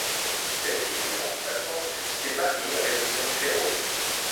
Celle-ci, durant son absence, s'est mariée avec le comte Ferraud.